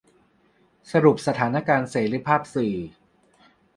สรุปสถานการณ์เสรีภาพสื่อ